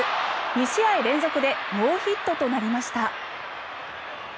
２試合連続でノーヒットとなりました。